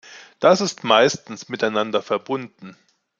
Das ist meistens miteinander verbunden.